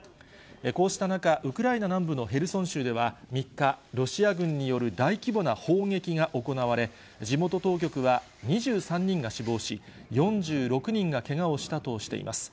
こうした中、ウクライナ南部のヘルソン州では３日、ロシア軍による大規模な砲撃が行われ、地元当局は２３人が死亡し、４６人がけがをしたとしています。